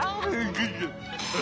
あ！